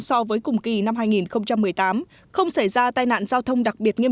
so với cùng kỳ năm hai nghìn một mươi tám